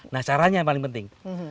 nah caranya yang paling penting